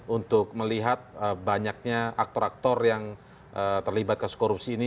untuk melihat banyaknya aktor aktor yang terlibat kasus korupsi ini